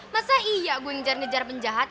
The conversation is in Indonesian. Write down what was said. masa iya gue ngejar ngejar penjahat